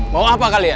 mau apa kalian